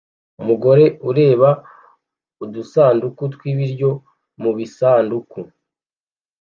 Umugore ureba udusanduku twibiryo mubisanduku